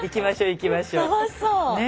楽しそう。ね。